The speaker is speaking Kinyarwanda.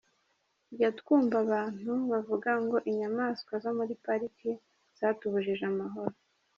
Tujya twumva abantu bavuga ngo inyamaswa zo muri Pariki zatubujije ‘amahoro’.